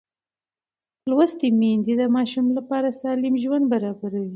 لوستې میندې د ماشوم لپاره سالم ژوند برابروي.